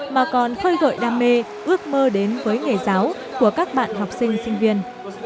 mà còn khơi gợi đam mê ước mơ đến với nghề giáo của các bạn học sinh sinh viên